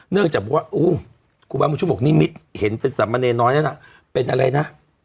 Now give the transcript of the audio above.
เนื่องจากว่าอู้ครูบาบุญชุบบอกนิมิตเห็นเป็นสามเณรน้อยนั้นเป็นอะไรนะ